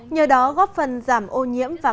nhờ đó góp phần giảm ô nhiễm